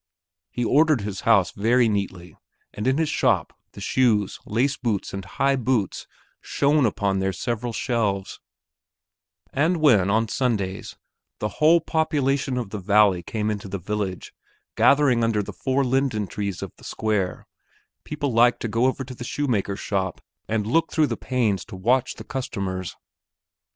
He ordered his house very neatly and in his shop the shoes, lace boots, and high boots shone upon their several shelves; and when, on Sundays, the whole population of the valley came into the village, gathering under the four linden trees of the square, people liked to go over to the shoemaker's shop and look through the panes to watch the customers.